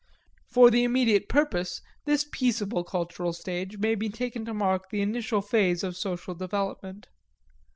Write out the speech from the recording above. For the immediate purpose this peaceable cultural stage may be taken to mark the initial phase of social development.